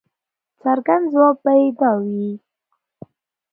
څرګند ځواب به یې دا وي.